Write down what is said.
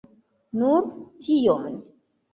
Nur tion.